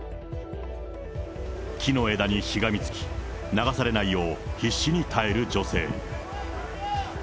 木の枝にしがみつき、流されないよう必死に耐える女性。